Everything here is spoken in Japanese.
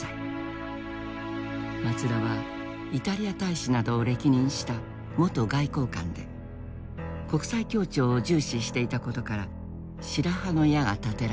松田はイタリア大使などを歴任した元外交官で国際協調を重視していたことから白羽の矢が立てられた。